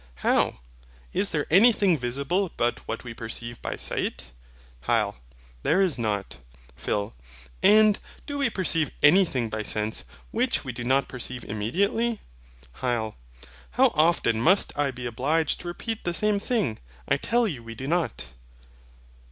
How! is there anything visible but what we perceive by sight? HYL. There is not. PHIL. And, do we perceive anything by sense which we do not perceive immediately? HYL. How often must I be obliged to repeat the same thing? I tell you, we do not.